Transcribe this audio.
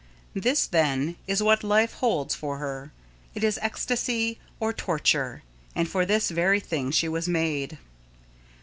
This, then, is what life holds for her; it is ecstasy or torture, and for this very thing she was made.